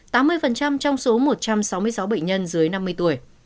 tám mươi trong số một trăm sáu mươi sáu bệnh nhân dưới năm mươi tuổi